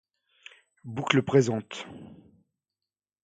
Boucles présentes.